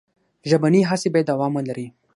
ژبنۍ هڅې باید دوام ولري.